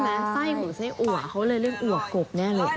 ไส้หรือไส้อั่วเขาเลยเรียกอั่วกบแน่เลย